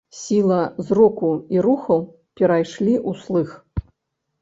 Сіла зроку і рухаў перайшлі ў слых.